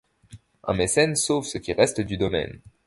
Un mécène sauve ce qui reste du domaine.